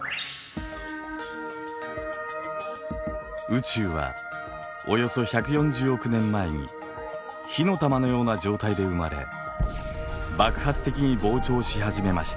宇宙はおよそ１４０億年前に火の玉のような状態で生まれ爆発的に膨張し始めました。